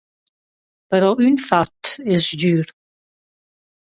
Però ün fat es sgür.